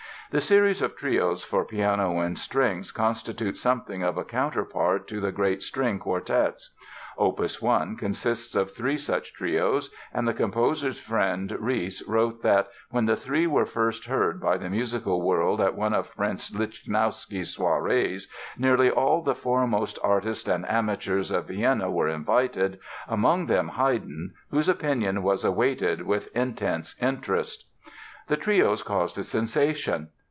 The series of trios for piano and strings constitute something of a counterpart to the great string quartets. Opus 1 consists of three such trios, and the composer's friend Ries wrote that "when the three were first heard by the musical world at one of Prince Lichnowsky's soirées nearly all the foremost artists and amateurs of Vienna were invited, among them Haydn, whose opinion was awaited with intense interest." The trios caused a sensation.